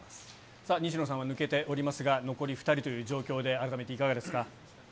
さあ、西野さんは抜けておりますが、残り２人という状況で改めていかがですか？